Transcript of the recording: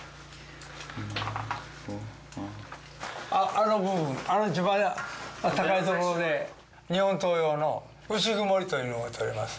あの部分あの一番高いところで日本刀用の内曇りというのが採れます。